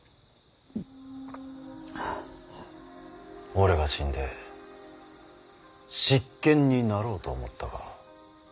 俺が死んで執権になろうと思ったか。